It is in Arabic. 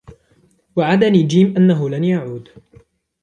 وعدني جيم أنه لن يعود.